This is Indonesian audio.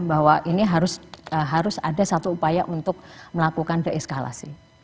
bahwa ini harus ada satu upaya untuk melakukan deeskalasi